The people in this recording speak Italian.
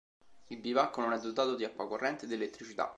Il bivacco non è dotato di acqua corrente ed elettricità.